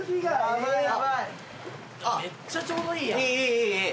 めっちゃちょうどいいやん。